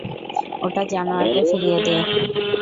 ওই জানোয়ারকে ফিরিয়ে দে।